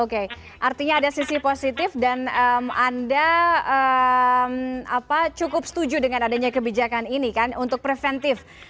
oke artinya ada sisi positif dan anda cukup setuju dengan adanya kebijakan ini kan untuk preventif